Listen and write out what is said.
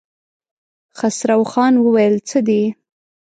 خسرو خان وويل: څه دي؟